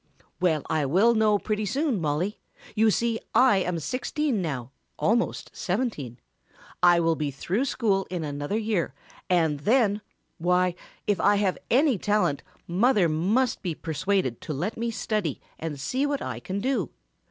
"Well, I will know pretty soon, Mollie. You see I am sixteen now, almost seventeen. I will be through school in another year and then why if I have any talent mother must be persuaded to let me study and see what I can do.